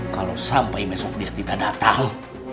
kalau sampai besok dia tidak datang